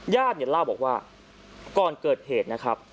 ญาติเนี่ยเล่าบอกว่าก่อนเกิดเหตุนะครับ